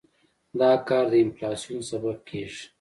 دا کار د انفلاسیون سبب کېږي.